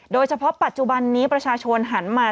โดยเฉพาะปัจจุบันนี้ประชาชนหันมา